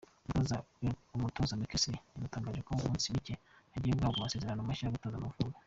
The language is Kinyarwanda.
Umutoza Mckinstry yanatangaje ko mu minsi mike agiye guhabwa amasezerano mashya yo gutoza Amavubi.